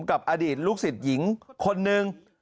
กับอดีตลูกศิษย์หญิงคนนึง